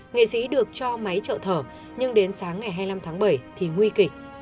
nghệ sĩ được cho máy trợ thở nhưng đến sáng ngày hai mươi năm tháng bảy thì nguy kịch